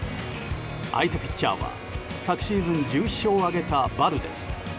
相手ピッチャーは、昨シーズン１１勝を挙げたバルデス。